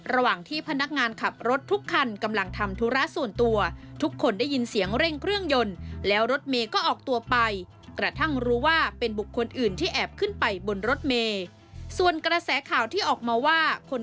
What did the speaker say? ระหว่างที่พนักงานขับรถทุกคัน